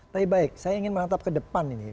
tapi baik saya ingin menatap ke depan ini